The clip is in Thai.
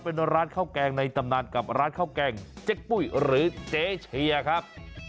เป็นร้านข้าวแกงในตำนานกับร้านข้าวแกงเจ๊กปุ้ยหรือเจ๊เชียครับ